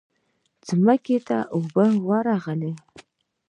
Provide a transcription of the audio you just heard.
ځمکې ته اوبه ورغلې.